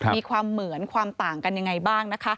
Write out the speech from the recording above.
มีความเหมือนความต่างกันยังไงบ้างนะคะ